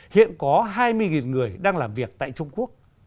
hiện có hai mươi người đang làm việc tại trung quốc